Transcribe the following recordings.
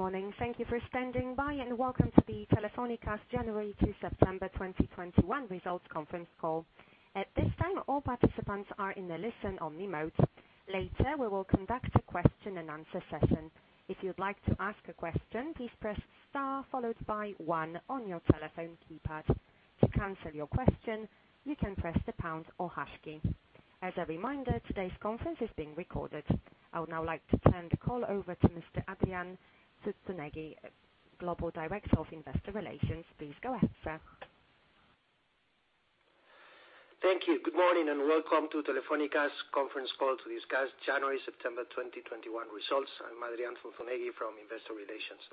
Good morning. Thank you for standing by, and welcome to Telefónica's January to September 2021 results conference call. At this time, all participants are in a listen-only mode. Later, we will conduct a question-and-answer session. If you'd like to ask a question, please press star followed by one on your telephone keypad. To cancel your question, you can press the pound or hash key. As a reminder, today's conference is being recorded. I would now like to turn the call over to Mr. Adrián Zunzunegui, Global Director of Investor Relations. Please go ahead, sir. Thank you. Good morning, and welcome to Telefónica's conference call to discuss January to September 2021 results. I'm Adrián Zunzunegui from Investor Relations.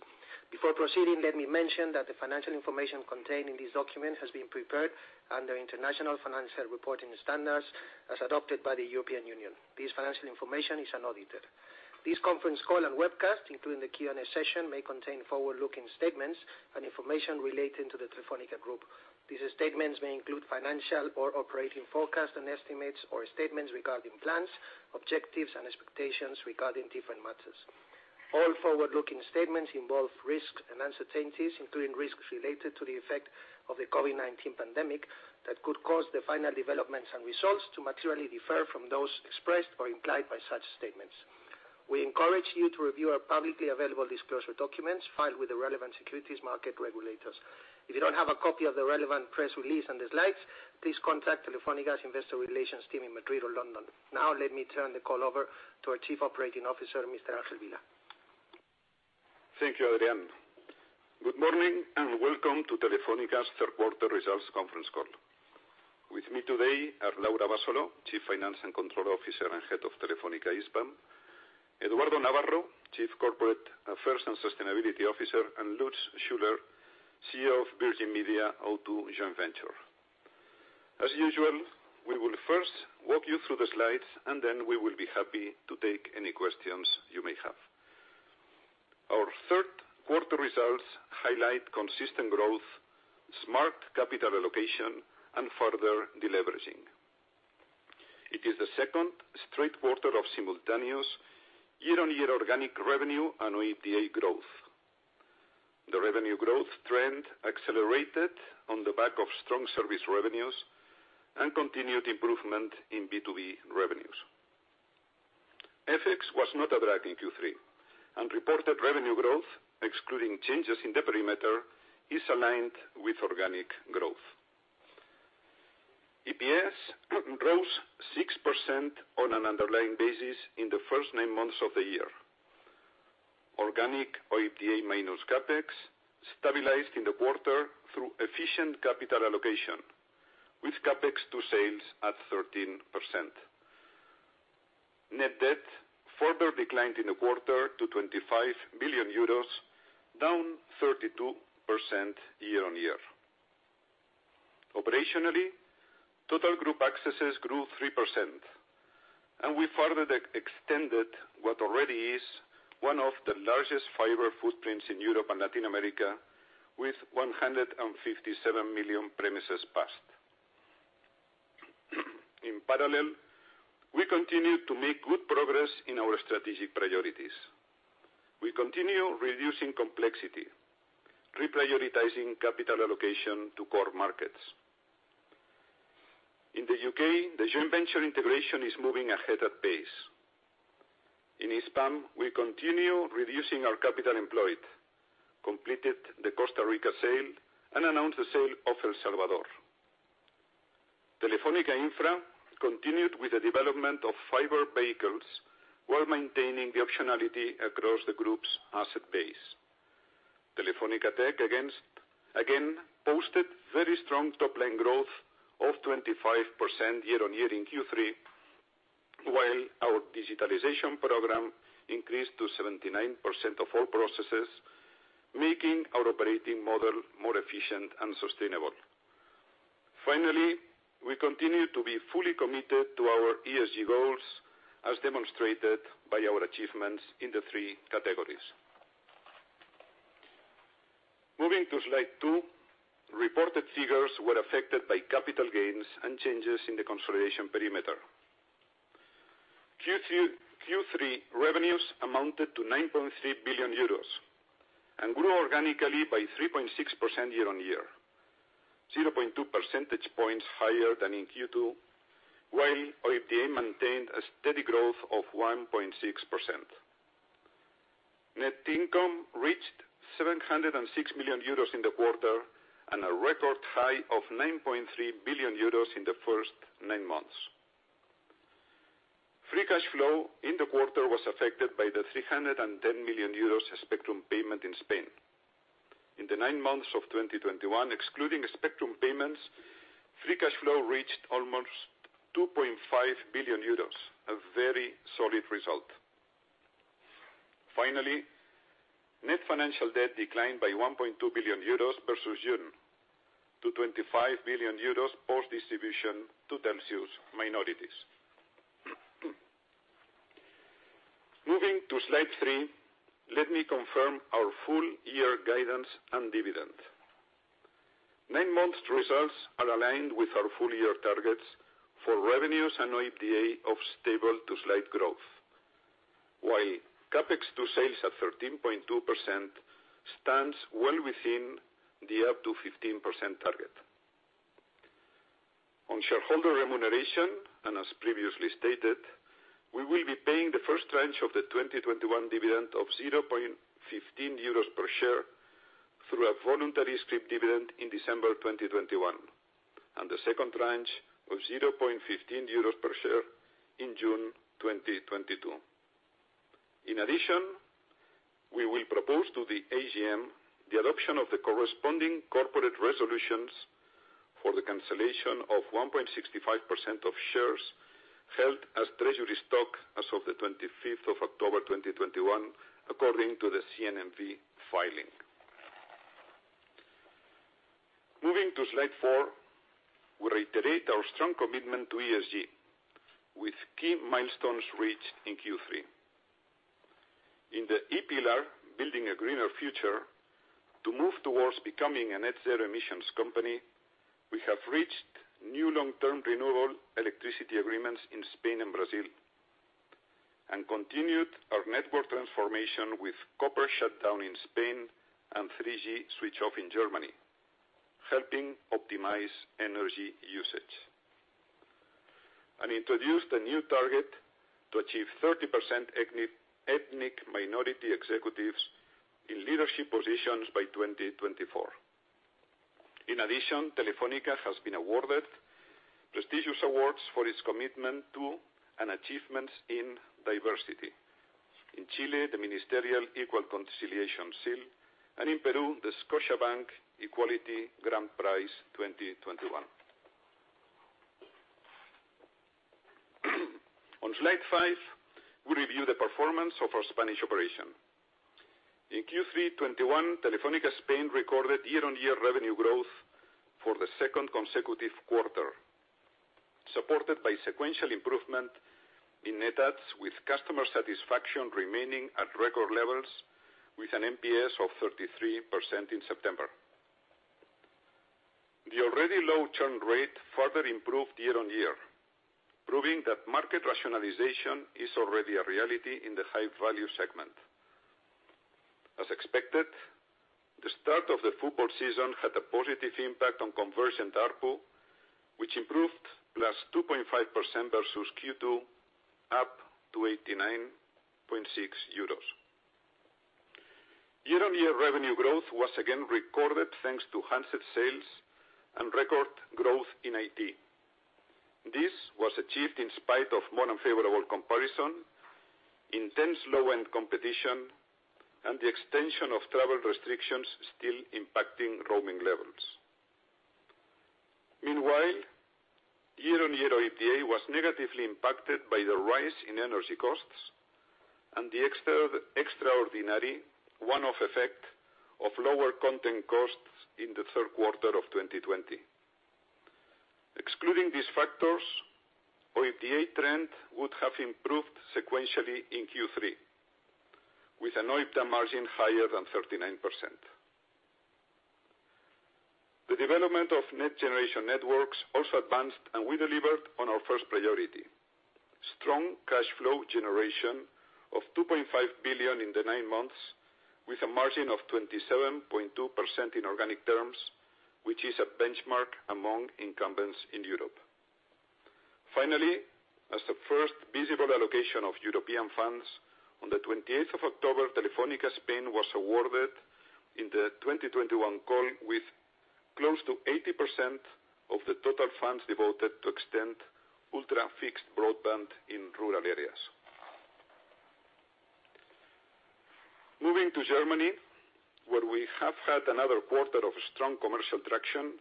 Before proceeding, let me mention that the financial information contained in this document has been prepared under International Financial Reporting Standards as adopted by the European Union. This financial information is unaudited. This conference call and webcast, including the Q&A session, may contain forward-looking statements and information relating to the Telefónica Group. These statements may include financial or operating forecasts and estimates or statements regarding plans, objectives, and expectations regarding different matters. All forward-looking statements involve risks and uncertainties, including risks related to the effect of the COVID-19 pandemic, that could cause the final developments and results to materially differ from those expressed or implied by such statements. We encourage you to review our publicly available disclosure documents filed with the relevant securities market regulators. If you don't have a copy of the relevant press release and the slides, please contact Telefónica's Investor Relations team in Madrid or London. Now, let me turn the call over to our Chief Operating Officer, Mr. Ángel Vilá. Thank you, Adrián. Good morning, and welcome to Telefónica's third quarter results conference call. With me today are Laura Abasolo, Chief Financial and Control Officer and Head of Telefónica Hispam; Eduardo Navarro, Chief Corporate Affairs and Sustainability Officer; and Lutz Schüler, CEO of Virgin Media O2 joint venture. As usual, we will first walk you through the slides, and then we will be happy to take any questions you may have. Our third quarter results highlight consistent growth, smart capital allocation, and further deleveraging. It is the second straight quarter of simultaneous year-on-year organic revenue and OIBDA growth. The revenue growth trend accelerated on the back of strong service revenues and continued improvement in B2B revenues. FX was not a drag in Q3, and reported revenue growth, excluding changes in the perimeter, is aligned with organic growth. EPS rose 6% on an underlying basis in the first nine months of the year. Organic OIBDA minus CapEx stabilized in the quarter through efficient capital allocation, with CapEx to sales at 13%. Net debt further declined in the quarter to 25 billion euros, down 32% year-on-year. Operationally, total group accesses grew 3%, and we further extended what already is one of the largest fiber footprints in Europe and Latin America with 157 million premises passed. In parallel, we continue to make good progress in our strategic priorities. We continue reducing complexity, reprioritizing capital allocation to core markets. In the U.K., the joint venture integration is moving ahead at pace. In Hispam, we continue reducing our capital employed, completed the Costa Rica sale, and announced the sale of El Salvador. Telefónica Infra continued with the development of fiber vehicles while maintaining the optionality across the group's asset base. Telefónica Tech again posted very strong top-line growth of 25% year-on-year in Q3, while our digitalization program increased to 79% of all processes, making our operating model more efficient and sustainable. Finally, we continue to be fully committed to our ESG goals as demonstrated by our achievements in the three categories. Moving to slide 2. Reported figures were affected by capital gains and changes in the consolidation perimeter. Q3 revenues amounted to 9.3 billion euros and grew organically by 3.6% year-on-year, 0.2 percentage points higher than in Q2, while OIBDA maintained a steady growth of 1.6%. Net income reached 706 million euros in the quarter and a record high of 9.3 billion euros in the first Nine months. Free cash flow in the quarter was affected by the 310 million euros spectrum payment in Spain. In the Nine months of 2021, excluding spectrum payments, free cash flow reached almost 2.5 billion euros, a very solid result. Finally, net financial debt declined by 1.2 billion euros versus June to 25 billion euros post distribution to Telxius minorities. Moving to slide 3, let me confirm our full year guidance and dividend. Nine months results are aligned with our full year targets for revenues and OIBDA of stable to slight growth. While CapEx to sales at 13.2% stands well within the up to 15% target. On shareholder remuneration, as previously stated, we will be paying the first tranche of the 2021 dividend of 0.15 euros per share through a voluntary scrip dividend in December 2021, and the second tranche of 0.15 euros per share in June 2022. In addition, we will propose to the AGM the adoption of the corresponding corporate resolutions for the cancellation of 1.65% of shares held as treasury stock as of the 25th of October 2021, according to the CNMV filing. Moving to slide four, we reiterate our strong commitment to ESG with key milestones reached in Q3. In the E pillar, building a greener future to move towards becoming a net zero emissions company, we have reached new long-term renewable electricity agreements in Spain and Brazil, and continued our network transformation with copper shutdown in Spain and 3G switch off in Germany, helping optimize energy usage. Introduced a new target to achieve 30% ethnic minority executives in leadership positions by 2024. In addition, Telefónica has been awarded prestigious awards for its commitment to and achievements in diversity. In Chile, the Ministerial Equal Conciliation Seal, and in Peru, the Scotiabank Equality Grand Prize 2021. On slide 5, we review the performance of our Spanish operation. In Q3 2021, Telefónica Spain recorded year-on-year revenue growth for the second consecutive quarter, supported by sequential improvement in net adds with customer satisfaction remaining at record levels with an NPS of 33% in September. The already low churn rate further improved year-on-year, proving that market rationalization is already a reality in the high value segment. As expected, the start of the football season had a positive impact on conversion ARPU, which improved +2.5% versus Q2, up to 89.6 euros. Year-on-year revenue growth was again recorded thanks to handset sales and record growth in IT. This was achieved in spite of more unfavorable comparison, intense low-end competition, and the extension of travel restrictions still impacting roaming levels. Meanwhile, year-on-year OIBDA was negatively impacted by the rise in energy costs and the extraordinary one-off effect of lower content costs in the third quarter of 2020. Excluding these factors, OIBDA trend would have improved sequentially in Q3 with an OIBDA margin higher than 39%. The development of net generation networks also advanced, and we delivered on our first priority, strong cash flow generation of 2.5 billion in the nine months with a margin of 27.2% in organic terms, which is a benchmark among incumbents in Europe. Finally, as the first visible allocation of European funds, on the 28th of October, Telefónica Spain was awarded in the 2021 call with close to 80% of the total funds devoted to extend ultra-fixed broadband in rural areas. Moving to Germany, where we have had another quarter of strong commercial traction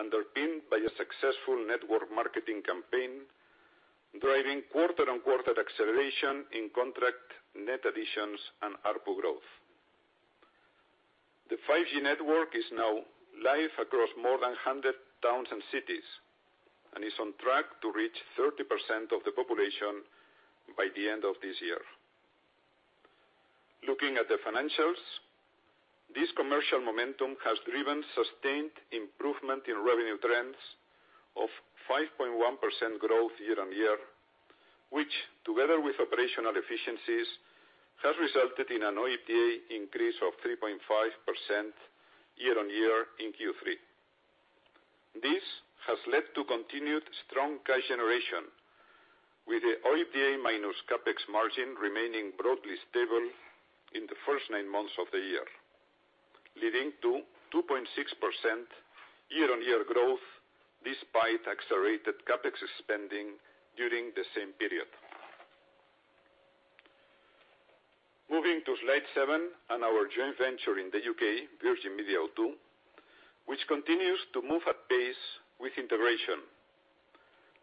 underpinned by a successful network marketing campaign, driving quarter-on-quarter acceleration in contract net additions and ARPU growth. The 5G network is now live across more than 100 towns and cities and is on track to reach 30% of the population by the end of this year. Looking at the financials, this commercial momentum has driven sustained improvement in revenue trends of 5.1% year-on-year growth, which together with operational efficiencies, has resulted in an OIBDA increase of 3.5% year-on-year in Q3. This has led to continued strong cash generation with the OIBDA minus CapEx margin remaining broadly stable in the first nine months of the year, leading to 2.6% year-on-year growth despite accelerated CapEx spending during the same period. Moving to slide 7 and our joint venture in the U.K., Virgin Media O2, which continues to move at pace with integration,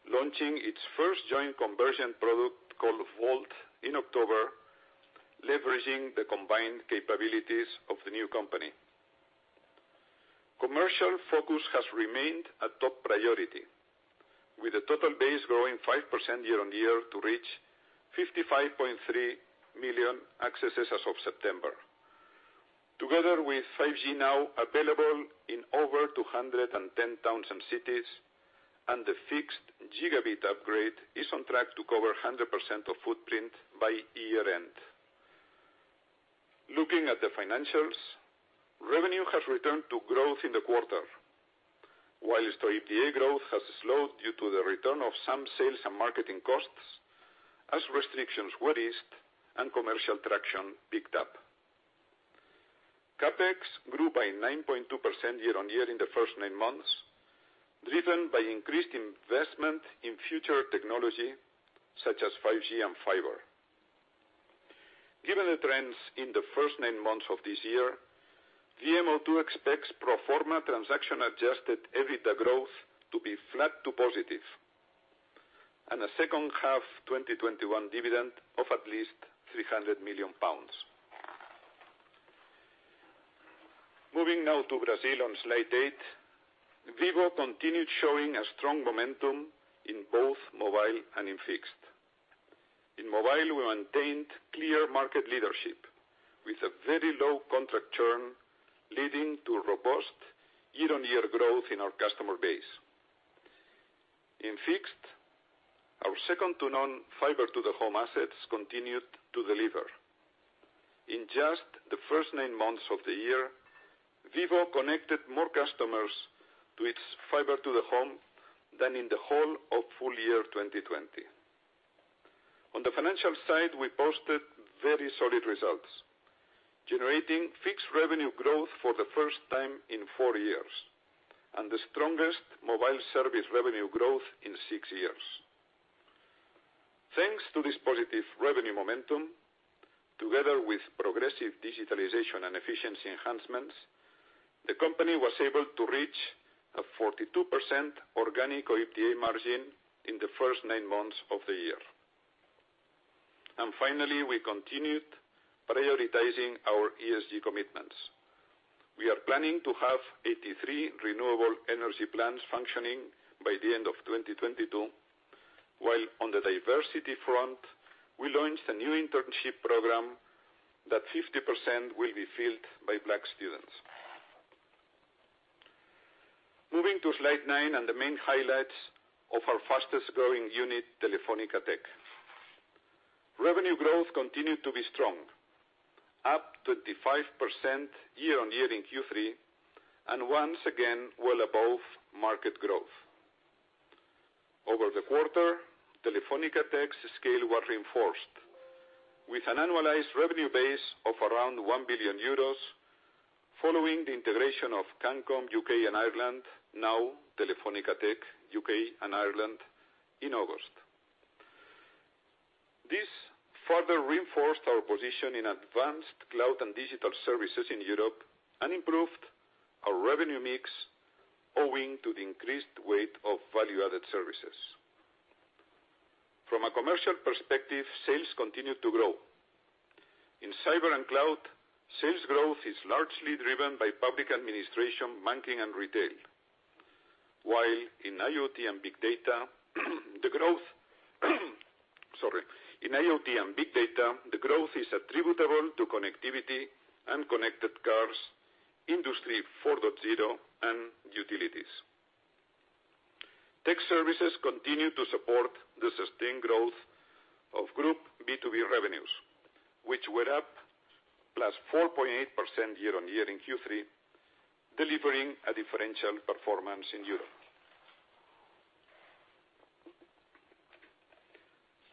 launching its first joint convergence product called Volt in October, leveraging the combined capabilities of the new company. Commercial focus has remained a top priority, with the total base growing 5% year-over-year to reach 55.3 million accesses as of September. Together with 5G now available in over 210 towns and cities, and the fixed gigabit upgrade is on track to cover 100% of footprint by year-end. Looking at the financials, revenue has returned to growth in the quarter. While OIBDA growth has slowed due to the return of some sales and marketing costs as restrictions were eased and commercial traction picked up. CapEx grew by 9.2% year-on-year in the first nine months, driven by increased investment in future technology such as 5G and fiber. Given the trends in the first nine months of this year, VMO2 expects pro forma transaction-adjusted EBITDA growth to be flat to positive and a second half 2021 dividend of at least 300 million pounds. Moving now to Brazil on slide 8. Vivo continued showing a strong momentum in both mobile and in fixed. In mobile, we maintained clear market leadership with a very low contract churn, leading to robust year-on-year growth in our customer base. In fixed, our second-to-none fiber to the home assets continued to deliver. In just the first nine months of the year, Vivo connected more customers to its fiber to the home than in the whole of full year 2020. On the financial side, we posted very solid results, generating fixed revenue growth for the first time in four years and the strongest mobile service revenue growth in six years. Thanks to this positive revenue momentum, together with progressive digitalization and efficiency enhancements, the company was able to reach a 42% organic OIBDA margin in the first 9 months of the year. Finally, we continued prioritizing our ESG commitments. We are planning to have 83 renewable energy plants functioning by the end of 2022, while on the diversity front, we launched a new internship program that 50% will be filled by Black students. Moving to slide 9 and the main highlights of our fastest growing unit, Telefónica Tech. Revenue growth continued to be strong, up 25% year-over-year in Q3 and once again well above market growth. Over the quarter, Telefónica Tech's scale were reinforced with an annualized revenue base of around 1 billion euros following the integration of CANCOM UK&I, now Telefónica Tech UK & Ireland, in August. This further reinforced our position in advanced cloud and digital services in Europe and improved our revenue mix owing to the increased weight of value-added services. From a commercial perspective, sales continued to grow. In cyber and cloud, sales growth is largely driven by public administration, banking, and retail. While in IoT and big data, the growth is attributable to connectivity and connected cars, Industry 4.0, and utilities. Tech services continue to support the sustained growth of group B2B revenues, which were up +4.8% year-on-year in Q3, delivering a differential performance in Europe.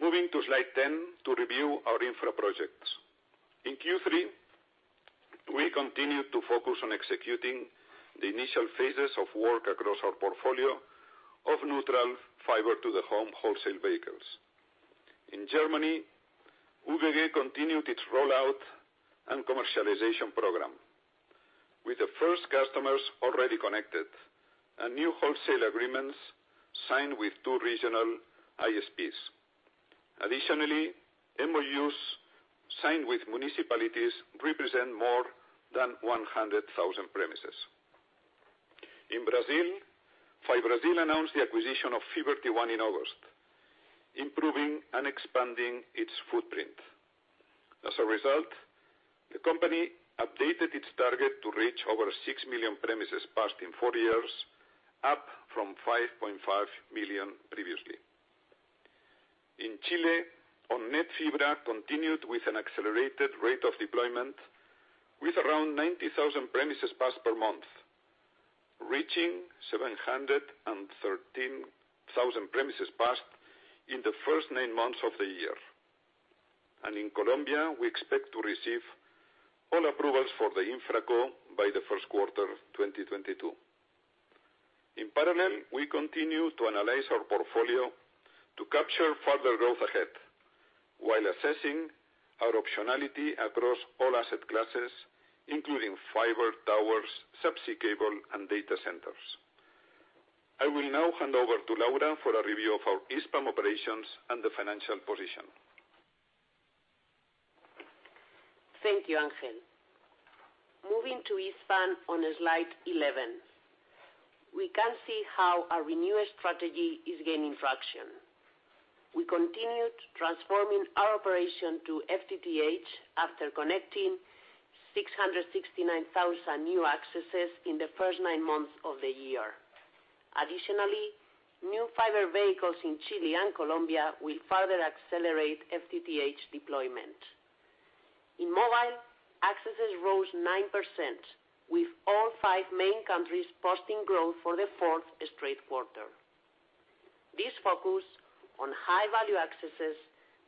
Moving to slide 10 to review our infra projects. In Q3, we continued to focus on executing the initial phases of work across our portfolio of neutral fiber-to-the-home wholesale vehicles. In Germany, UGG continued its rollout and commercialization program, with the first customers already connected and new wholesale agreements signed with two regional ISPs. Additionally, MOUs signed with municipalities represent more than 100,000 premises. In Brazil, FiBrasil announced the acquisition of Fiberty 1 in August, improving and expanding its footprint. As a result, the company updated its target to reach over 6 million premises passed in four years, up from 5.5 million previously. In Chile, ON*NET Fibra continued with an accelerated rate of deployment with around 90,000 premises passed per month, reaching 713,000 premises passed in the first nine months of the year. In Colombia, we expect to receive all approvals for the InfraCo by the first quarter of 2022. In parallel, we continue to analyze our portfolio to capture further growth ahead while assessing our optionality across all asset classes, including fiber, towers, subsea cable, and data centers. I will now hand over to Laura for a review of our Hispam operations and the financial position. Thank you, Ángel. Moving to Hispam on slide 11. We can see how our renewed strategy is gaining traction. We continued transforming our operation to FTTH after connecting 669,000 new accesses in the first nine months of the year. Additionally, new fiber vehicles in Chile and Colombia will further accelerate FTTH deployment. In mobile, accesses rose 9% with all five main countries posting growth for the fourth straight quarter. This focus on high value accesses,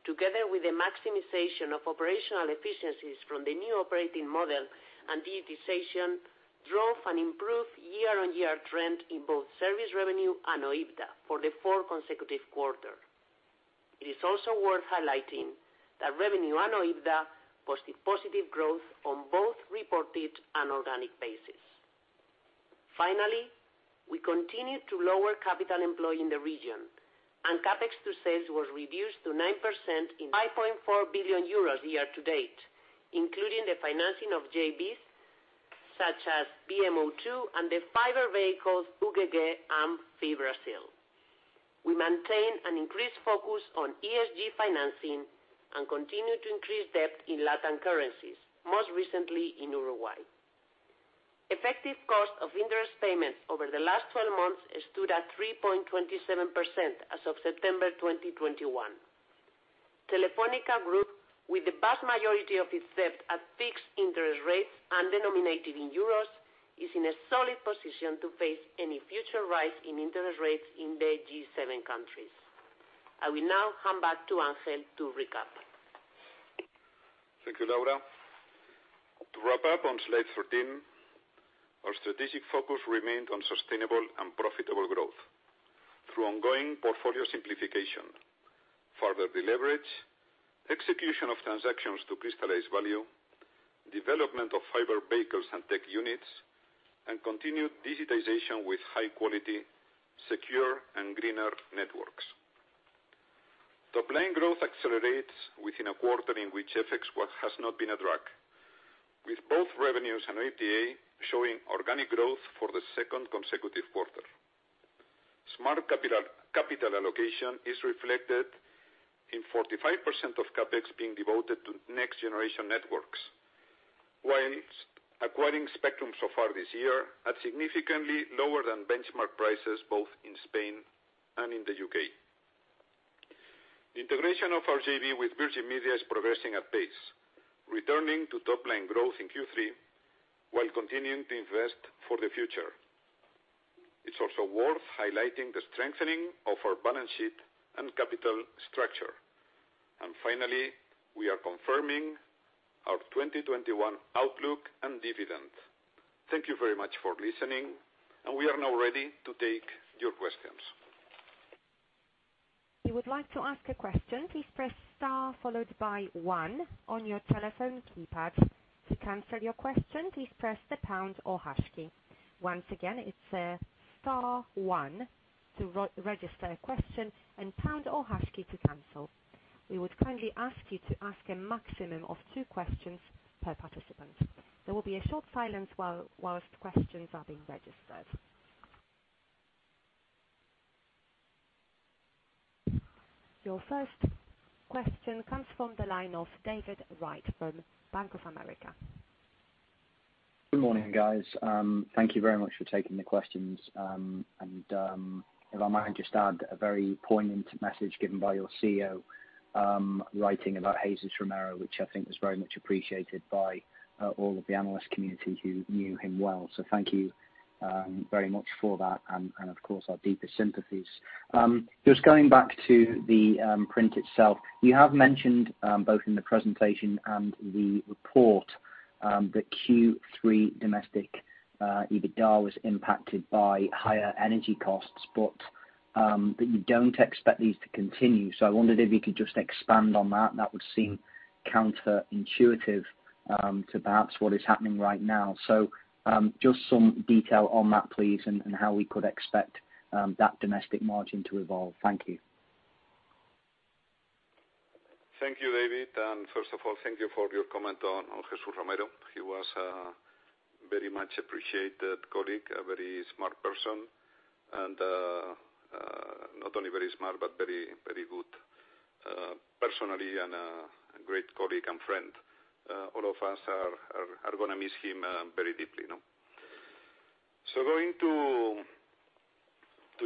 together with the maximization of operational efficiencies from the new operating model and digitization, drove an improved year-on-year trend in both service revenue and OIBDA for the fourth consecutive quarter. It is also worth highlighting that revenue and OIBDA posted positive growth on both reported and organic basis. Finally, we continued to lower capital employed in the region, and CapEx to sales was reduced to 9% in... 5.4 billion euros year to date, including the financing of JVs, such as VMO2 and the fiber vehicles UGG and FiBrasil. We maintain an increased focus on ESG financing and continue to increase debt in Latin currencies, most recently in Uruguay. Effective cost of interest payments over the last 12 months stood at 3.27% as of September 2021. Telefónica Group, with the vast majority of its debt at fixed interest rates and denominated in euros, is in a solid position to face any future rise in interest rates in the G7 countries. I will now come back to Ángel Vilá to recap. Thank you, Laura. To wrap up on slide 13, our strategic focus remained on sustainable and profitable growth through ongoing portfolio simplification, further deleverage, execution of transactions to crystallize value, development of fiber vehicles and tech units, and continued digitization with high quality, secure, and greener networks. Topline growth accelerates within a quarter in which FX has not been a drag, with both revenues and OIBDA showing organic growth for the second consecutive quarter. Smart capital allocation is reflected in 45% of CapEx being devoted to next generation networks, while acquiring spectrum so far this year at significantly lower than benchmark prices, both in Spain and in the U.K. The integration of our JV with Virgin Media is progressing at pace, returning to topline growth in Q3 while continuing to invest for the future. It's also worth highlighting the strengthening of our balance sheet and capital structure. Finally, we are confirming our 2021 outlook and dividend. Thank you very much for listening, and we are now ready to take your questions. If you would like to ask a question, please press star followed by one on your telephone keypad. To cancel your question, please press the pound or hash key. Once again, it's star one to re-register a question and pound or hash key to cancel. We would kindly ask you to ask a maximum of two questions per participant. There will be a short silence while questions are being registered. Your first question comes from the line of David Wright from Bank of America. Good morning, guys. Thank you very much for taking the questions. If I might just add a very poignant message given by your CEO writing about Jesus Romero, which I think was very much appreciated by all of the analyst community who knew him well. Thank you very much for that and of course, our deepest sympathies. Just going back to the print itself, you have mentioned both in the presentation and the report that Q3 domestic EBITDA was impacted by higher energy costs that you don't expect these to continue. I wondered if you could just expand on that. That would seem counterintuitive to perhaps what is happening right now. Just some detail on that, please, and how we could expect that domestic margin to evolve. Thank you. Thank you, David. First of all, thank you for your comment on Jesus Romero. He was a very much appreciated colleague, a very smart person, and not only very smart, but very, very good personally and a great colleague and friend. All of us are gonna miss him very deeply, you know? Going to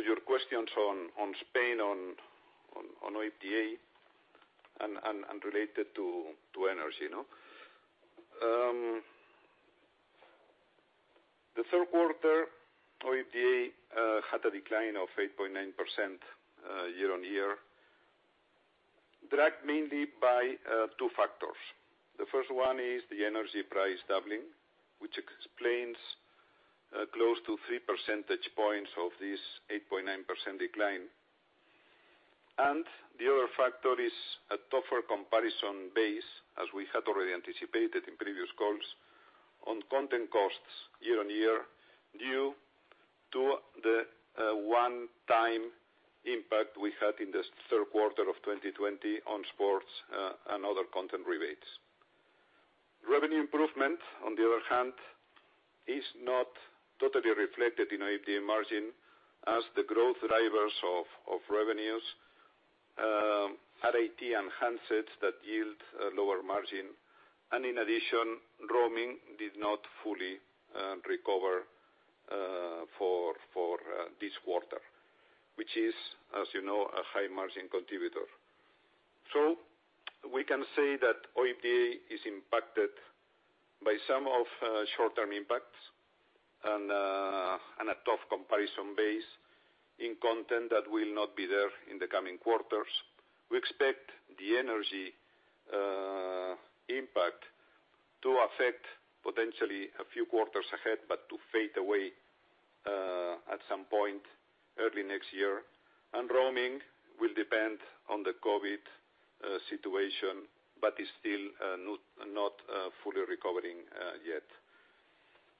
your questions on Spain, on OIBDA and related to energy, you know. The third quarter OIBDA had a decline of 8.9% year-on-year, dragged mainly by two factors. The first one is the energy price doubling, which explains close to three percentage points of this 8.9% decline. The other factor is a tougher comparison base, as we had already anticipated in previous calls. On content costs year-on-year, due to the one-time impact we had in the third quarter of 2020 on sports and other content rebates. Revenue improvement, on the other hand, is not totally reflected in OIBDA margin as the growth drivers of revenues are IT and handsets that yield a lower margin. In addition, roaming did not fully recover for this quarter, which is, as you know, a high margin contributor. We can say that OIBDA is impacted by some short-term impacts and a tough comparison base in content that will not be there in the coming quarters. We expect the energy impact to affect potentially a few quarters ahead, but to fade away at some point early next year. Roaming will depend on the COVID-19 situation, but is still not fully recovering yet.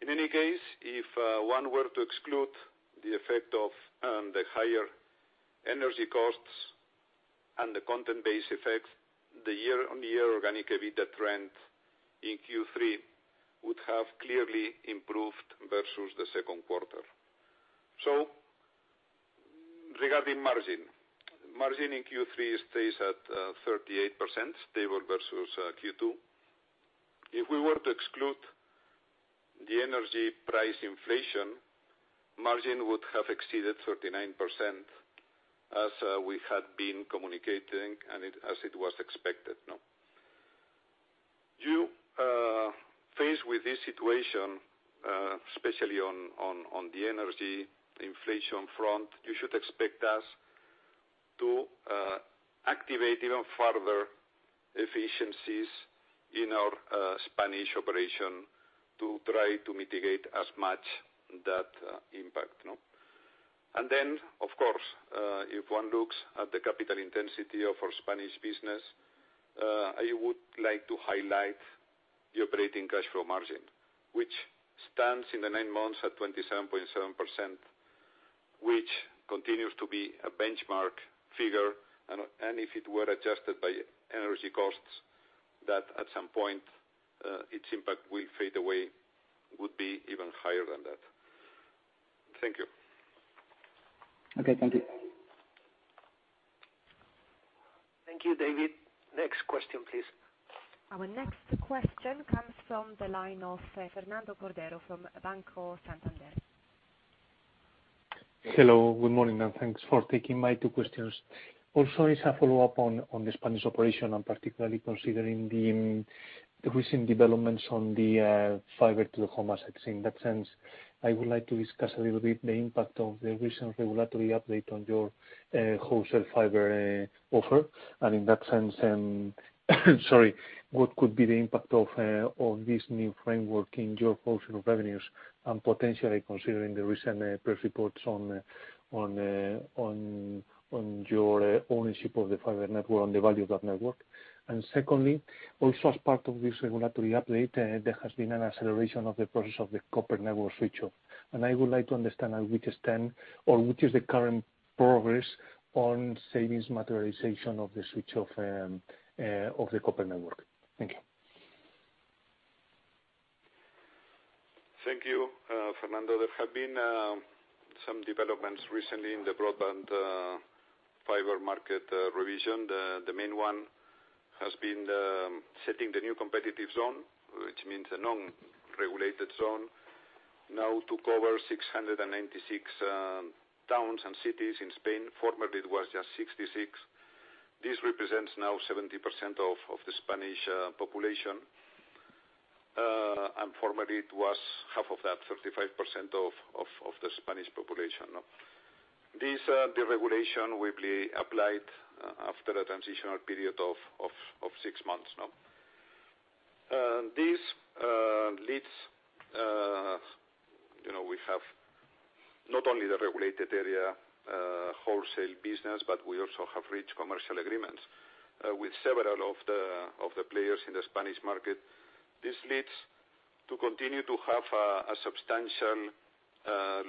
In any case, if one were to exclude the effect of the higher energy costs and the content-based effects, the year-on-year organic EBITDA trend in Q3 would have clearly improved versus the second quarter. Regarding margin in Q3 stays at 38%, stable versus Q2. If we were to exclude the energy price inflation, margin would have exceeded 39% as we had been communicating and as it was expected, you know. You faced with this situation, especially on the energy inflation front, you should expect us to activate even further efficiencies in our Spanish operation to try to mitigate as much that impact, you know. Then, of course, if one looks at the capital intensity of our Spanish business, I would like to highlight the operating cash flow margin, which stands in the nine months at 27.7%, which continues to be a benchmark figure. If it were adjusted by energy costs, that at some point its impact will fade away, would be even higher than that. Thank you. Okay, thank you. Thank you, David. Next question, please. Our next question comes from the line of, Fernando Cordero from Banco Santander. Hello, good morning, and thanks for taking my two questions. Also, it's a follow-up on the Spanish operation, and particularly considering the recent developments on the fiber to the home assets. In that sense, I would like to discuss a little bit the impact of the recent regulatory update on your wholesale fiber offer. In that sense, sorry, what could be the impact of this new framework in your portion of revenues, and potentially considering the recent press reports on your ownership of the fiber network and the value of that network? Secondly, also as part of this regulatory update, there has been an acceleration of the process of the copper network switch-off. I would like to understand at which extent or which is the current progress on savings materialization of the switch-off, of the copper network. Thank you. Thank you, Fernando. There have been some developments recently in the broadband fiber market revision. The main one has been setting the new competitive zone, which means a non-regulated zone now to cover 696 towns and cities in Spain. Formerly, it was just 66. This represents now 70% of the Spanish population. Formerly it was half of that, 35% of the Spanish population. This deregulation will be applied after a transitional period of six months. This leads, you know, we have not only the regulated area wholesale business, but we also have rich commercial agreements with several of the players in the Spanish market. This leads to continue to have a substantial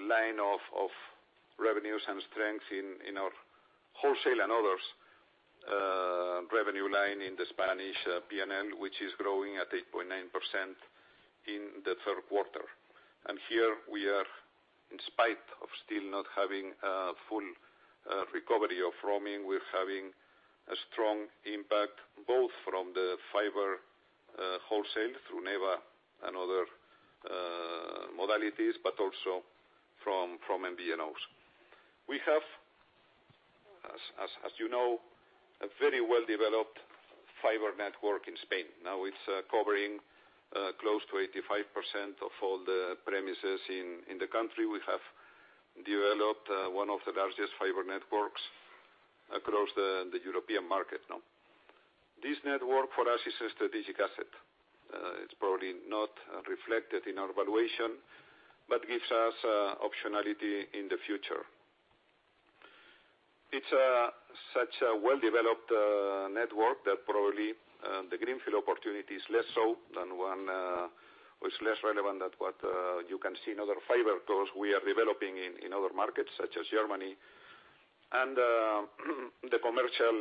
line of revenues and strength in our wholesale and others revenue line in the Spanish P&L, which is growing at 8.9% in the third quarter. Here we are, in spite of still not having a full recovery of roaming, we're having a strong impact both from the fiber wholesale through NEBA and other modalities, but also from MVNOs. We have, as you know, a very well-developed fiber network in Spain. Now it's covering close to 85% of all the premises in the country. We have developed one of the largest fiber networks across the European market now. This network for us is a strategic asset. It's probably not reflected in our valuation, but gives us optionality in the future. It's such a well-developed network that probably the greenfield opportunity is less so than one or it's less relevant than what you can see in other fiberco's we are developing in other markets, such as Germany. The commercial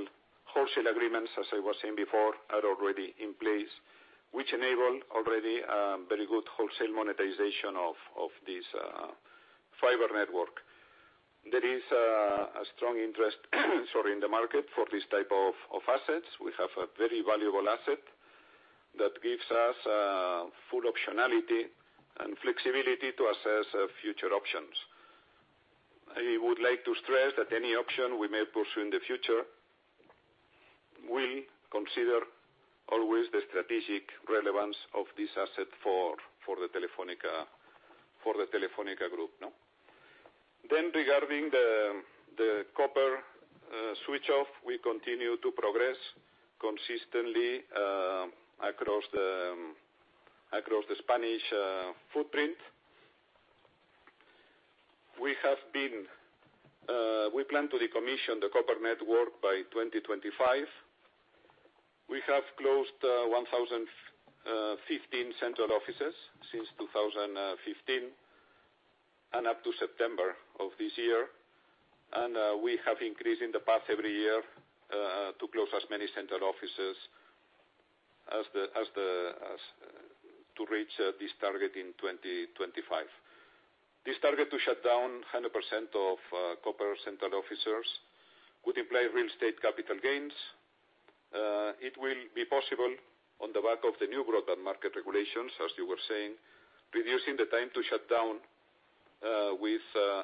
wholesale agreements, as I was saying before, are already in place, which enable already very good wholesale monetization of this fiber network. There is a strong interest, sorry, in the market for this type of assets. We have a very valuable asset that gives us full optionality and flexibility to assess future options. I would like to stress that any option we may pursue in the future will consider always the strategic relevance of this asset for the Telefónica Group, no? Regarding the copper switch off, we continue to progress consistently across the Spanish footprint. We plan to decommission the copper network by 2025. We have closed 1,015 central offices since 2015 and up to September of this year. We have increased in the past every year to close as many central offices to reach this target in 2025. This target to shut down 100% of copper central offices would imply real estate capital gains. It will be possible on the back of the new broadband market regulations, as you were saying, reducing the time to shut down with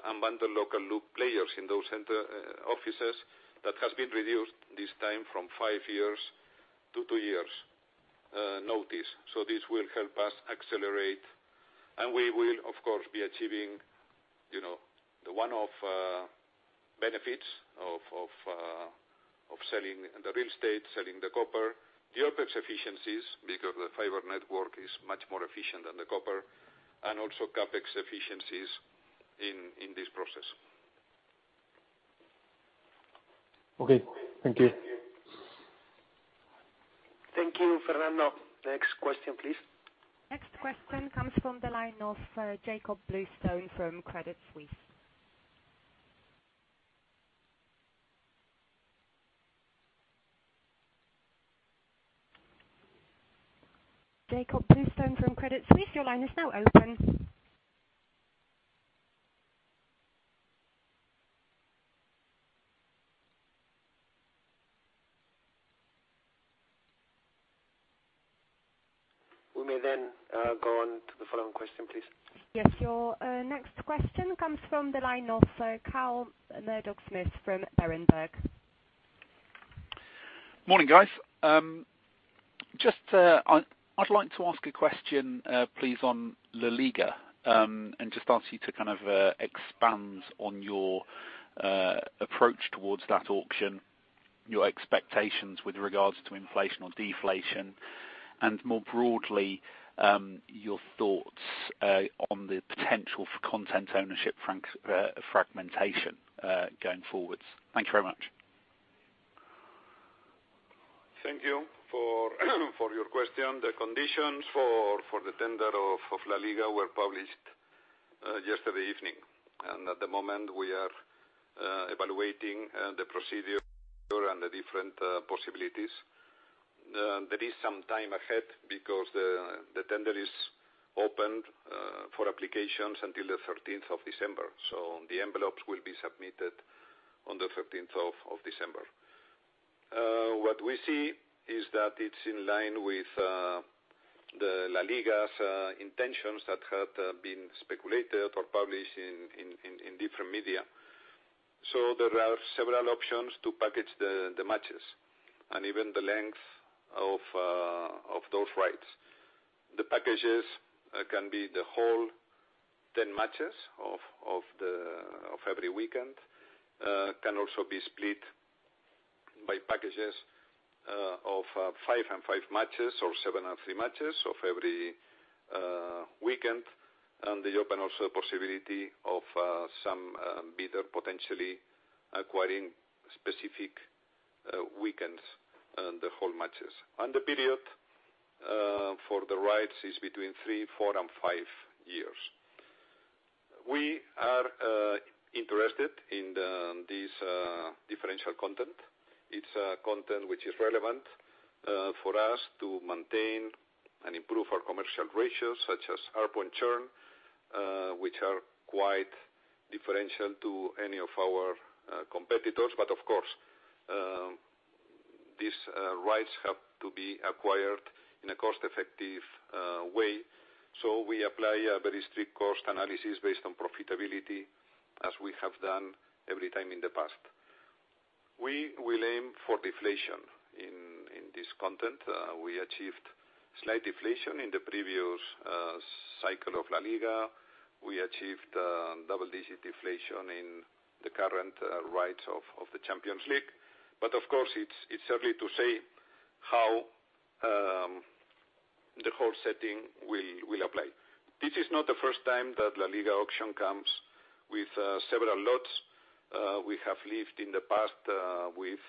unbundled local loop players in those central offices that has been reduced this time from five years to two years notice. This will help us accelerate. We will, of course, be achieving, you know, the one-off benefits of selling the real estate, selling the copper, the OpEx efficiencies, because the fiber network is much more efficient than the copper, and also CapEx efficiencies in this process. Okay. Thank you. Thank you, Fernando. Next question, please. Next question comes from the line of, Jakob Bluestone from Credit Suisse. Jakob Bluestone from Credit Suisse, your line is now open. We may then go on to the following question, please. Yes. Your next question comes from the line of Carl Murdock-Smith from Berenberg. Morning, guys. Just, I'd like to ask a question, please, on LaLiga, and just ask you to kind of expand on your approach towards that auction, your expectations with regards to inflation or deflation, and more broadly, your thoughts on the potential for content ownership, fragmentation, going forwards. Thank you very much. Thank you for your question. The conditions for the tender of LaLiga were published yesterday evening. At the moment we are evaluating the procedure and the different possibilities. There is some time ahead because the tender is opened for applications until the 13th of December. The envelopes will be submitted on the 13th of December. What we see is that it's in line with the LaLiga's intentions that had been speculated or published in different media. There are several options to package the matches and even the length of those rights. The packages can be the whole 10 matches of every weekend, can also be split by packages of five and five matches or seven and three matches of every weekend. They also open a possibility of some bidder potentially acquiring specific weekends and the whole matches. The period for the rights is between three, four, and five years. We are interested in this differential content. It's a content which is relevant for us to maintain and improve our commercial ratios, such as ARPU and churn, which are quite differential to any of our competitors. Of course, these rights have to be acquired in a cost-effective way. We apply a very strict cost analysis based on profitability, as we have done every time in the past. We will aim for deflation in this content. We achieved slight deflation in the previous cycle of LaLiga. We achieved double-digit deflation in the current rights of the Champions League. Of course, it's early to say how. The whole setting will apply. This is not the first time that LaLiga auction comes with several lots. We have lived in the past with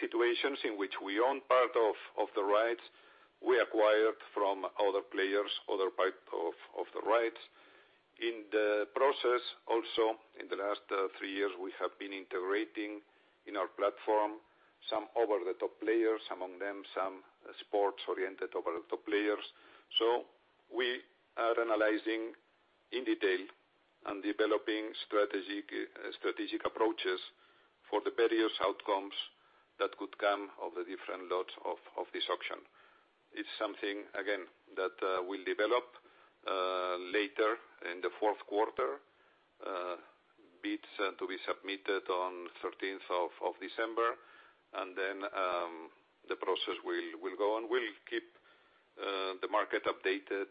situations in which we own part of the rights we acquired from other players, other part of the rights. In the process also, in the last three years, we have been integrating in our platform some over-the-top players, among them some sports-oriented over-the-top players. We are analyzing in detail and developing strategic approaches for the various outcomes that could come of the different lots of this auction. It's something, again, that we'll develop later in the fourth quarter. Bids are to be submitted on thirteenth of December, and then the process will go on. We'll keep the market updated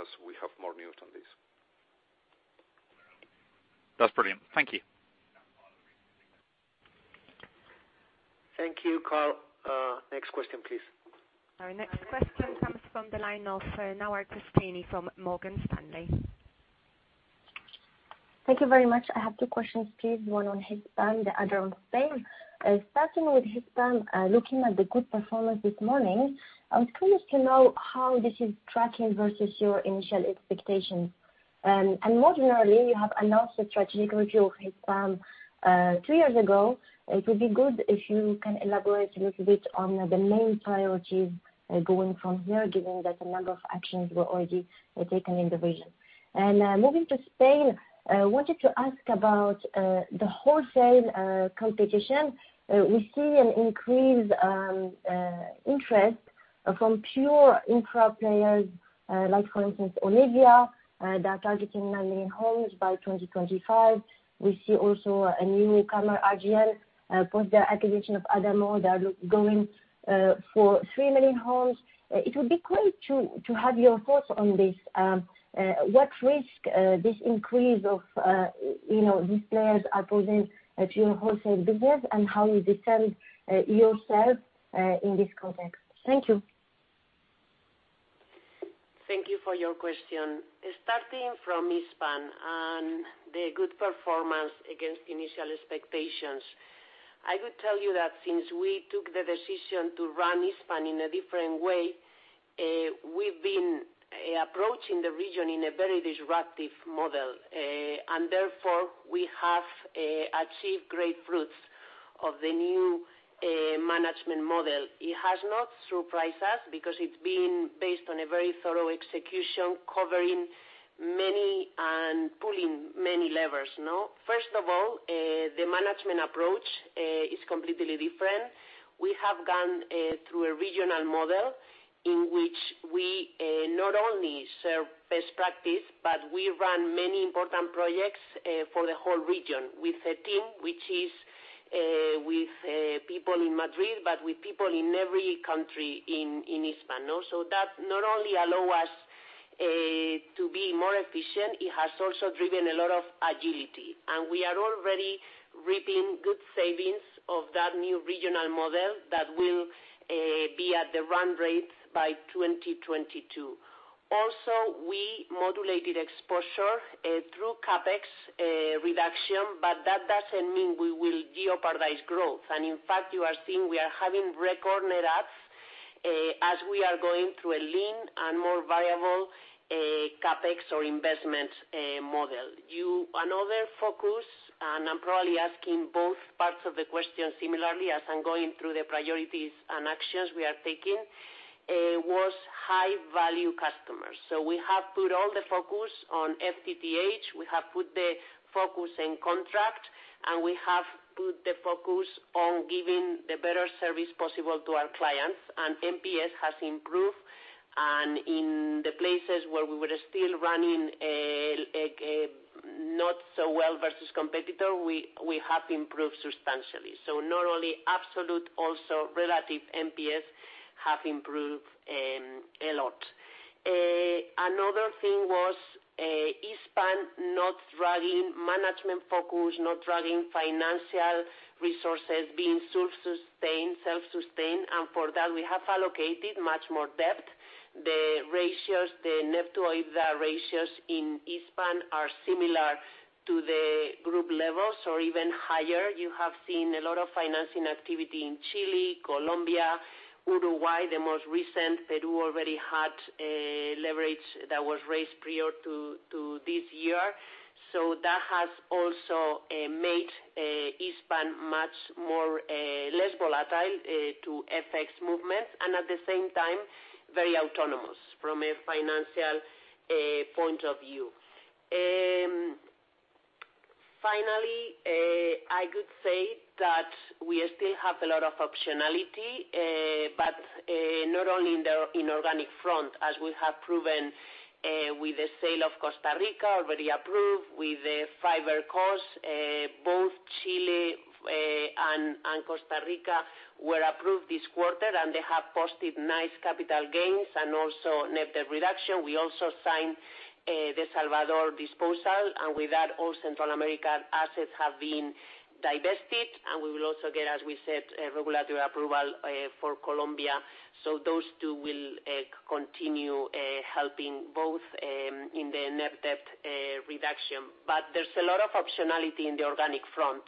as we have more news on this. That's brilliant. Thank you. Thank you, Carl. Next question, please. Our next question comes from the line of Nawal Bustani from Morgan Stanley. Thank you very much. I have two questions, please. One on Hispam, the other on Spain. Starting with Hispam, looking at the good performance this morning, I was curious to know how this is tracking versus your initial expectations. And more generally, you have announced the strategic review of Hispam three years ago. It would be good if you can elaborate a little bit on the main priorities going from here, given that a number of actions were already taken in the region. Moving to Spain, I wanted to ask about the wholesale competition. We see an increased interest from pure infra players, like, for instance, Onivia, that are targeting 9 million homes by 2025. We see also a newcomer, RGN. Post their acquisition of Adamo, they are going for 3 million homes. It would be great to have your thoughts on this. What risk this increase of, you know, these players are posing to your wholesale business, and how you defend yourself in this context? Thank you. Thank you for your question. Starting from Hispam and the good performance against initial expectations, I would tell you that since we took the decision to run Hispam in a different way, we've been approaching the region in a very disruptive model. Therefore, we have achieved great fruits of the new management model. It has not surprised us because it's been based on a very thorough execution, covering many and pulling many levers, no? First of all, the management approach is completely different. We have gone through a regional model in which we not only share best practice, but we run many important projects for the whole region with a team which is with people in Madrid, but with people in every country in Hispam. That not only allows us to be more efficient, it has also driven a lot of agility. We are already reaping good savings of that new regional model that will be at the run rate by 2022. Also, we modulated exposure through CapEx reduction, but that doesn't mean we will jeopardize growth. In fact, you are seeing we are having record net adds as we are going through a lean and more viable CapEx or investment model. Another focus, and I'm probably asking both parts of the question similarly as I'm going through the priorities and actions we are taking, was high-value customers. We have put all the focus on FTTH. We have put the focus in contract, and we have put the focus on giving the better service possible to our clients. NPS has improved, and in the places where we were still running like not so well versus competitor, we have improved substantially. Not only absolute, also relative NPS have improved a lot. Another thing was Hispam not dragging management focus, not dragging financial resources, being self-sustained, and for that we have allocated much more debt. The ratios, the net to EBITDA ratios in Hispam are similar to the group levels or even higher. You have seen a lot of financing activity in Chile, Colombia, Uruguay, the most recent. Peru already had a leverage that was raised prior to this year. That has also made Hispam much less volatile to FX movements, and at the same time, very autonomous from a financial point of view. Finally, I could say that we still have a lot of optionality, but not only in the inorganic front, as we have proven with the sale of Costa Rica already approved, with the fiber cos both Chile and Costa Rica were approved this quarter, and they have posted nice capital gains and also net debt reduction. We also signed the Salvador disposal, and with that, all Central American assets have been divested, and we will also get, as we said, regulatory approval for Colombia. Those two will continue helping both in the net debt reduction. There's a lot of optionality in the organic front,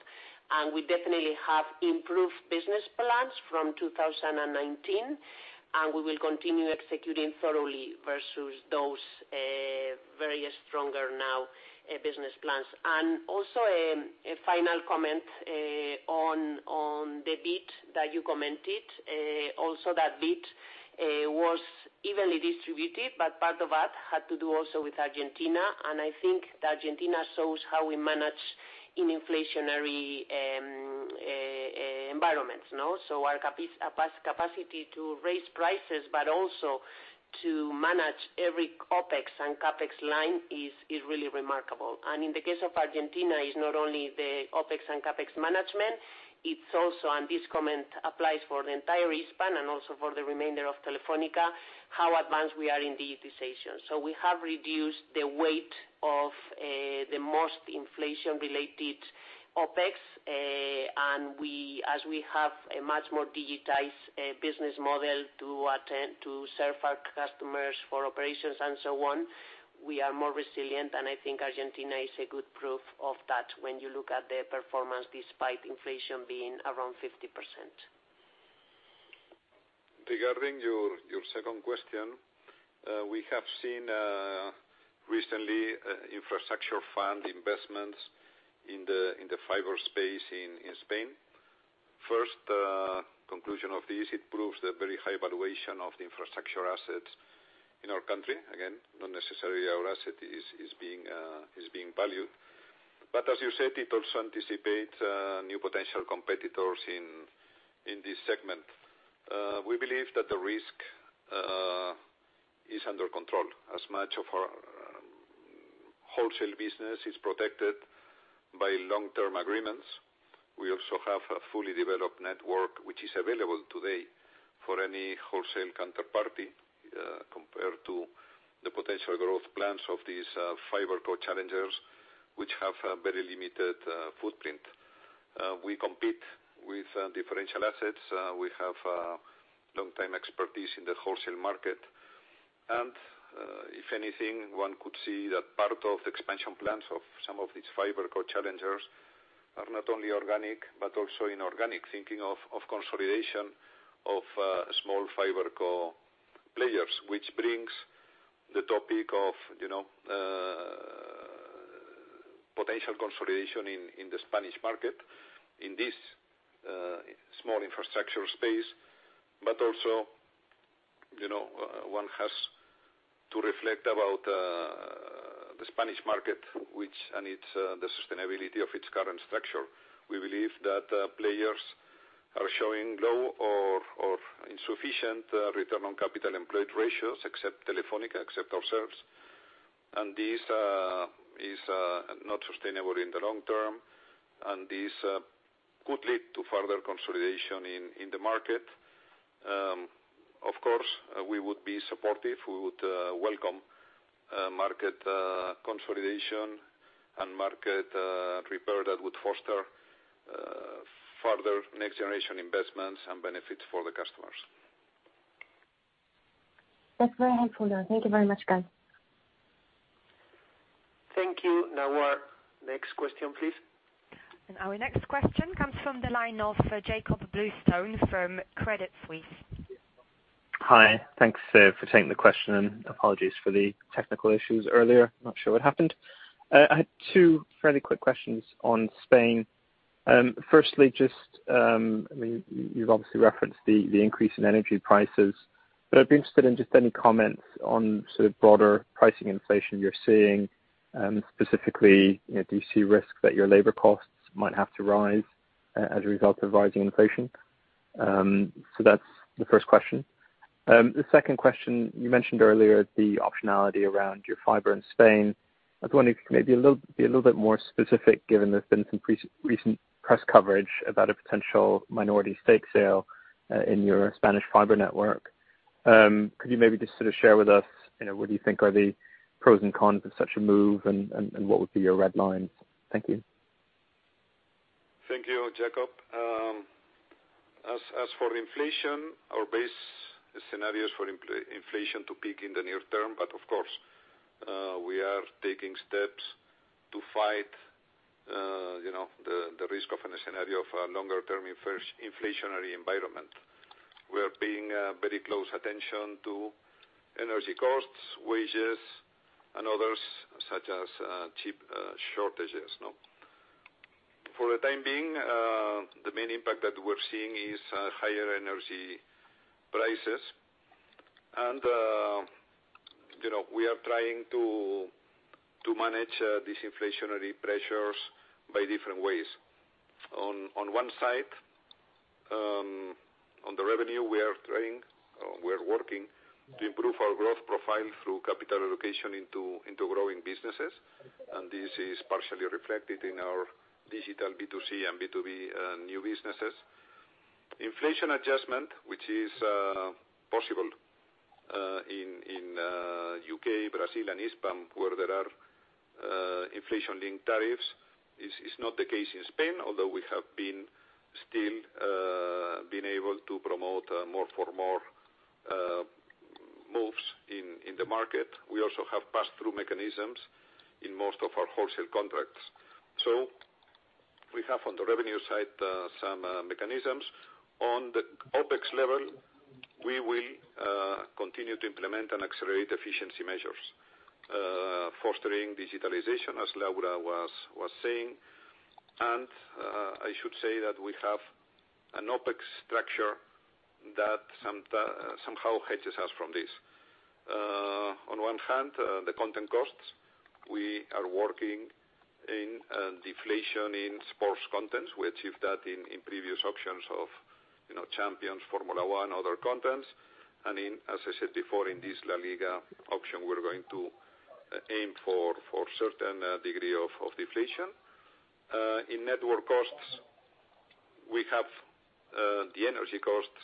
and we definitely have improved business plans from 2019, and we will continue executing thoroughly versus those very stronger now business plans. A final comment on the bit that you commented. That bit was evenly distributed, but part of that had to do also with Argentina, and I think that Argentina shows how we manage in inflationary environments, no? Our capacity to raise prices, but also to manage every OpEx and CapEx line is really remarkable. In the case of Argentina, it's not only the OpEx and CapEx management, it's also this comment applies for the entire Hispam and also for the remainder of Telefónica, how advanced we are in digitization. We have reduced the weight of the most inflation-related OpEx, and we, as we have a much more digitized business model to serve our customers for operations and so on, we are more resilient. I think Argentina is a good proof of that when you look at the performance despite inflation being around 50%. Regarding your second question, we have seen recently infrastructure fund investments in the fiber space in Spain. First conclusion of this, it proves the very high valuation of the infrastructure assets in our country. Again, not necessarily our asset is being valued. As you said, it also anticipates new potential competitors in this segment. We believe that the risk is under control as much of our wholesale business is protected by long-term agreements. We also have a fully developed network, which is available today for any wholesale counterparty compared to the potential growth plans of these fiber co-challengers, which have a very limited footprint. We compete with differential assets. We have long time expertise in the wholesale market. If anything, one could see that part of the expansion plans of some of these fiber co-challengers are not only organic, but also inorganic, thinking of consolidation of small fiber co-players, which brings the topic of, you know, potential consolidation in the Spanish market in this small infrastructure space. One has to reflect about the Spanish market and its sustainability of its current structure. We believe that players are showing low or insufficient return on capital employed ratios, except Telefónica, ourselves. This is not sustainable in the long term, and this could lead to further consolidation in the market. Of course, we would be supportive. We would welcome market consolidation and market repair that would foster further next-generation investments and benefits for the customers. That's very helpful, though. Thank you very much Vila. Thank you. Nawal our next question, please. Our next question comes from the line of Jakob Bluestone from Credit Suisse. Hi. Thanks for taking the question, and apologies for the technical issues earlier. Not sure what happened. I had two fairly quick questions on Spain. Firstly, just I mean, you've obviously referenced the increase in energy prices. I'd be interested in just any comments on sort of broader pricing inflation you're seeing, specifically, you know, do you see risks that your labor costs might have to rise as a result of rising inflation? So that's the first question. The second question, you mentioned earlier the optionality around your fiber in Spain. I was wondering if you could be a little bit more specific, given there's been some recent press coverage about a potential minority stake sale in your Spanish fiber network. Could you maybe just sort of share with us, you know, what do you think are the pros and cons of such a move and what would be your red lines? Thank you. Thank you, Jakob. As for inflation, our base scenario is for inflation to peak in the near term. Of course, we are taking steps to fight, you know, the risk of a scenario of a longer term inflationary environment. We are paying very close attention to energy costs, wages, and others, such as chip shortages, no? For the time being, the main impact that we're seeing is higher energy prices. You know, we are trying to manage these inflationary pressures by different ways. On one side, on the revenue, we are working to improve our growth profile through capital allocation into growing businesses, and this is partially reflected in our digital B2C and B2B new businesses. Inflation adjustment, which is possible in the U.K., Brazil, and Hispam, where there are inflation-linked tariffs, is not the case in Spain, although we have been able to promote more-for-more moves in the market. We also have pass-through mechanisms in most of our wholesale contracts. We have on the revenue side some mechanisms. On the OpEx level, we will continue to implement and accelerate efficiency measures, fostering digitalization, as Laura was saying. I should say that we have an OpEx structure that somehow hedges us from this. On one hand, the content costs, we are working in deflation in sports contents. We achieved that in previous auctions of, you know, Champions, Formula One, other contents. As I said before, in this LaLiga auction, we're going to aim for certain degree of deflation. In network costs, we have the energy costs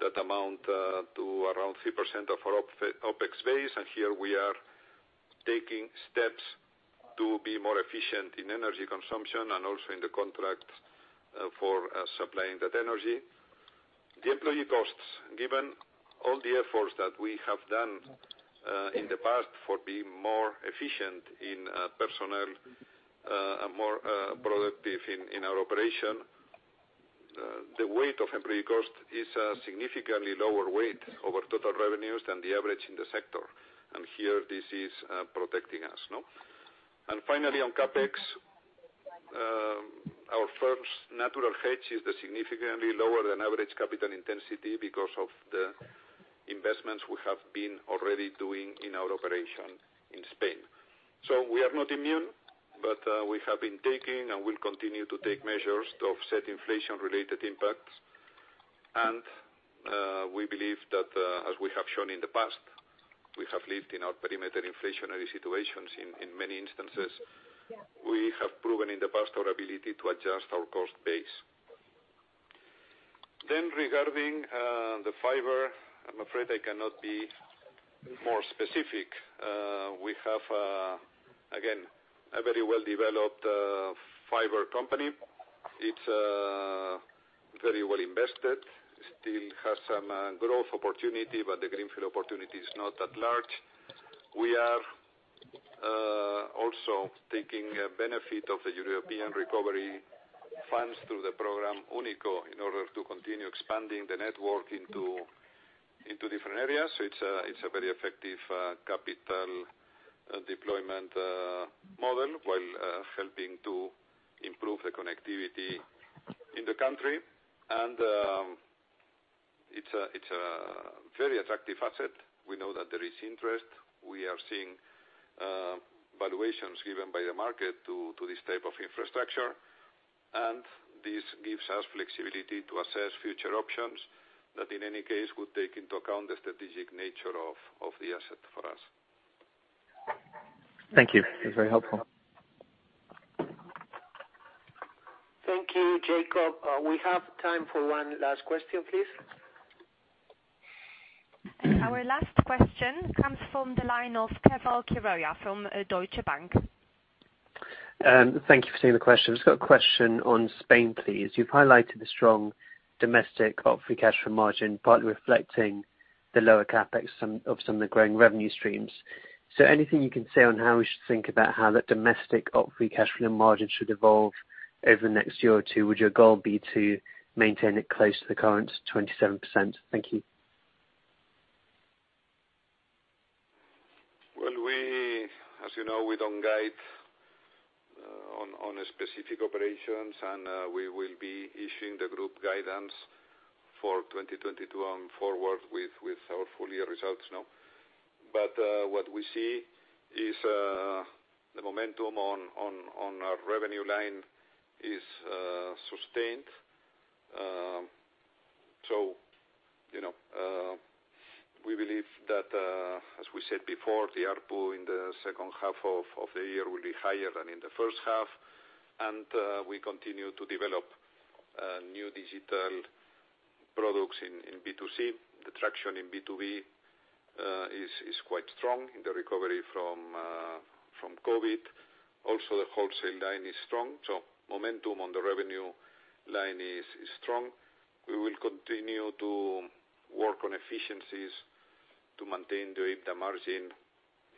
that amount to around 3% of our OpEx base, and here we are taking steps to be more efficient in energy consumption and also in the contracts for supplying that energy. The employee costs, given all the efforts that we have done in the past for being more efficient in personnel and more productive in our operation, the weight of employee cost is a significantly lower weight over total revenues than the average in the sector. Here, this is protecting us. No? Finally, on CapEx, our firm's natural hedge is the significantly lower than average capital intensity because of the investments we have been already doing in our operation in Spain. We are not immune, but we have been taking, and we'll continue to take measures to offset inflation-related impacts. We believe that, as we have shown in the past, we have lived in our perimeter inflationary situations in many instances. We have proven in the past our ability to adjust our cost base. Regarding the fiber, I'm afraid I cannot be more specific. We have, again, a very well-developed fiber company. It's very well invested. Still has some growth opportunity, but the greenfield opportunity is not that large. We are also taking benefit of the European recovery funds through the program UNICO in order to continue expanding the network into different areas. It's a very effective capital deployment model while helping to improve the connectivity in the country. It's a very attractive asset. We know that there is interest. We are seeing valuations given by the market to this type of infrastructure, and this gives us flexibility to assess future options that, in any case, would take into account the strategic nature of the asset for us. Thank you. That's very helpful. Thank you, Jakob. We have time for one last question, please. Our last question comes from the line of Keval Khiroya from Deutsche Bank. Thank you for taking the question. Just got a question on Spain, please. You've highlighted the strong domestic operating free cash flow margin, partly reflecting the lower CapEx of some of the growing revenue streams. Anything you can say on how we should think about how that domestic operating free cash flow margin should evolve over the next year or two? Would your goal be to maintain it close to the current 27%? Thank you. As you know, we don't guide on specific operations, and we will be issuing the group guidance for 2022 onwards with our full year results now. What we see is the momentum on our revenue line is sustained. You know, we believe that, as we said before, the ARPU in the second half of the year will be higher than in the first half. We continue to develop new digital products in B2C. The traction in B2B is quite strong in the recovery from COVID. Also, the wholesale line is strong. Momentum on the revenue line is strong. We will continue to work on efficiencies to maintain the EBITDA margin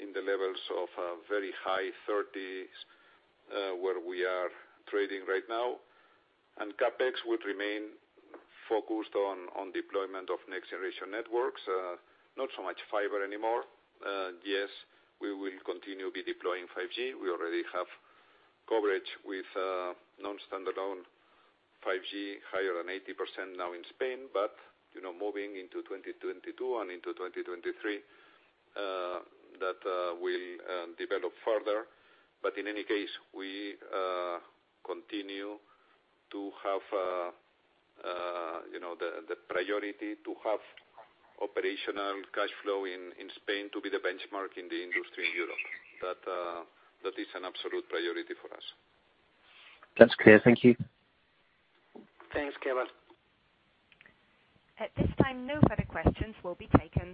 in the levels of very high 30s%, where we are trading right now. CapEx would remain focused on deployment of next-generation networks. Not so much fiber anymore. Yes, we will continue to be deploying 5G. We already have coverage with non-standalone 5G higher than 80% now in Spain, but moving into 2022 and into 2023, that will develop further. In any case, we continue to have the priority to have operational cash flow in Spain to be the benchmark in the industry in Europe. That is an absolute priority for us. That's clear. Thank you. Thanks, Keval. At this time, no further questions will be taken.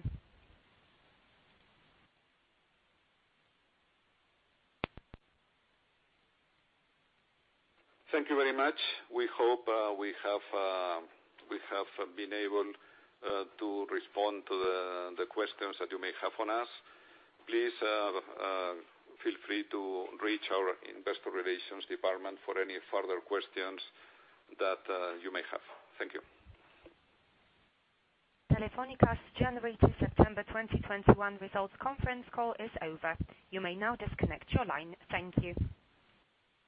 Thank you very much. We hope we have been able to respond to the questions that you may have on us. Please feel free to reach our Investor Relations department for any further questions that you may have. Thank you. Telefónica's January to September 2021 results conference call is over. You may now disconnect your line. Thank you.